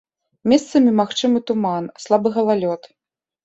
Месцамі магчымы туман, слабы галалёд.